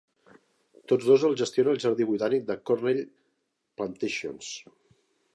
Tots dos els gestiona el jardí botànic de Cornell Plantations.